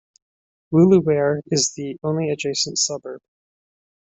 Woolooware is the only adjacent suburb.